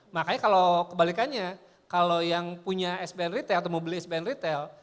makanya kalau kebalikannya kalau yang punya spn retail atau mau beli spn retail